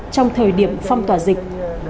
trong thời điểm phong tỏa dịch